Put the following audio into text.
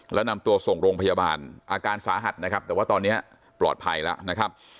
แล้วนำตัวส่งโรงพยาบาลอาการสาหัสนะครับแต่ว่าตอนนี้ปลอดภัยแล้วนะครับ